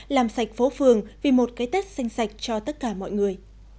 làm sạch phố phường vì một cái tết xanh sạch cho tất cả mọi người